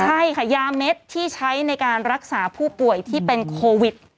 ใช่ค่ะยาเม็ดที่ใช้ในการรักษาผู้ป่วยที่เป็นโควิด